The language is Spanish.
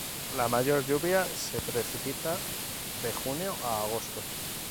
La mayor lluvia se precipita de junio a agosto.